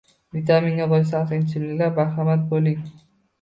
Vitaminga boy salqin ichimlikdan bahramand bo‘ling